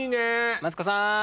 マツコさん。